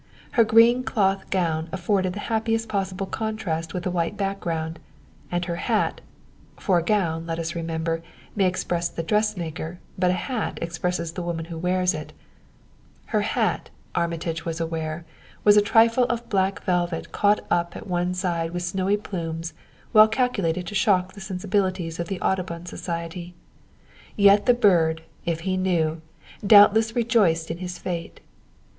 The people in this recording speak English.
Her green cloth gown afforded the happiest possible contrast with the white background; and her hat (for a gown, let us remember, may express the dressmaker, but a hat expresses the woman who wears it) her hat, Armitage was aware, was a trifle of black velvet caught up at one side with snowy plumes well calculated to shock the sensibilities of the Audubon Society. Yet the bird, if he knew, doubtless rejoiced in his fate!